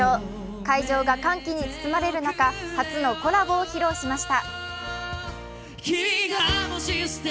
会場が歓喜に包まれる中、初のコラボを披露しました。